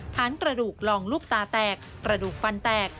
ฐานกระดูกลองลูกตาแตกกระดูกฟันแตก